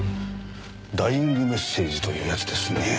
ダイイングメッセージというやつですね。